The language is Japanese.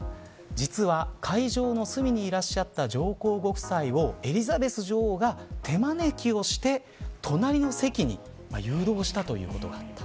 実は、会場の隅にいらっしゃった上皇ご夫妻をエリザベス女王が手招きをして隣の席に誘導したということがあった。